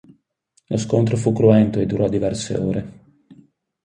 Lo scontrò fu cruento e durò diverse ore.